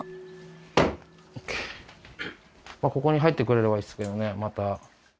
ここに入ってくれればいいですけどねまた。